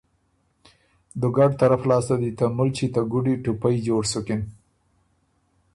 دُوګډ طرف لاسته دی ته مُلچی ته ګُډی ټُپئ جوړ سُکِن۔